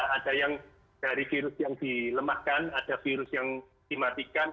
ada yang dari virus yang dilemahkan ada virus yang dimatikan